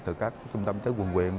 từ các trung tâm chế quân quyền